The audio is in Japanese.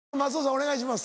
お願いします。